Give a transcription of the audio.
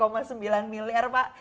satu sembilan miliar pak